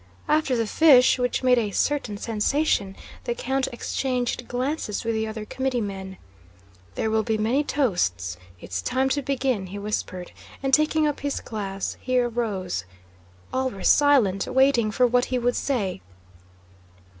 After the fish, which made a certain sensation, the count exchanged glances with the other committeemen. "There will be many toasts, it's time to begin," he whispered, and taking up his glass, he rose. All were silent, waiting for what he would say.